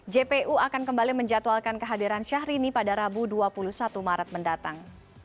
jpu akan kembali menjatuhalkan kehadiran syahrini pada rabu dua puluh satu maret mendatang